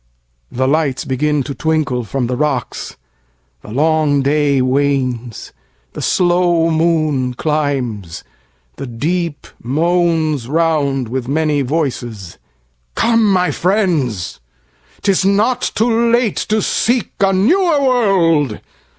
The lights begin to twinkle from the rocks:The long day wanes: the slow moon climbs: the deepMoans round with many voices. Come, my friends,'T is not too late to seek a newer world.